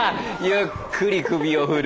ゆっくり首を振る。